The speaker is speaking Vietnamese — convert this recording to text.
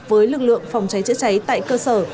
với lực lượng phòng cháy chữa cháy tại cơ sở